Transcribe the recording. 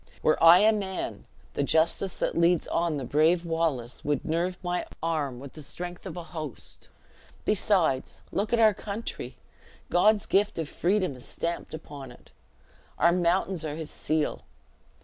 Were I a man, the justice that leads on the brave Wallace would nerve my arm with the strength of a host. Besides, look at our country; God's gift of freedom is stamped upon it. Our mountains are his seal.